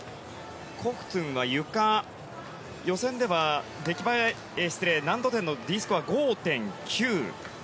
コフトゥンは、ゆか予選では難度点のＤスコア、５．９。